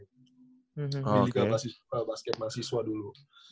di liga basket mahasiswa dulu